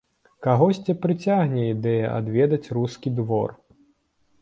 Кагосьці прыцягне ідэя адведаць рускі двор.